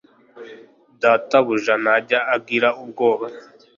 data buja ntajya agira ubwoba